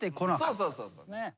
そうそうそうそう。